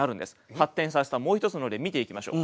発展させたもう一つの例見ていきましょう。